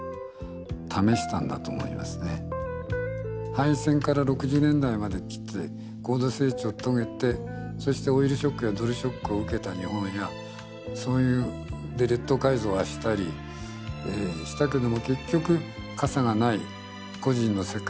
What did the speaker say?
敗戦から６０年代まできて高度成長を遂げてそしてオイルショックやドルショックを受けた日本やそういう列島改造はしたりしたけども結局傘がない個人の世界。